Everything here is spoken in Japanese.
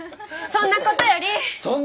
そんなことより？